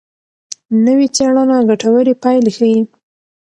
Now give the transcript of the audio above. نوې څېړنه ګټورې پایلې ښيي.